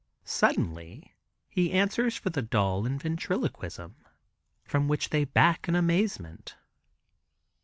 Suddenly he answers for the doll in ventriloquism, from which they back in amazement.